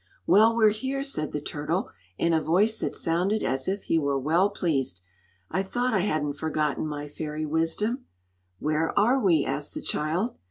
"Well, we're here," said the turtle, in a voice that sounded as if he were well pleased. "I thought I hadn't forgotten my fairy wisdom." "Where are we?" asked the child.